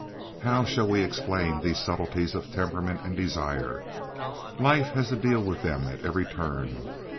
How shall we explain these subtleties of temperament and desire? Life has to deal with them at every turn.